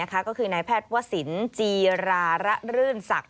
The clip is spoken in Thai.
ก็คือนายแพทย์วสินจีราระรื่นศักดิ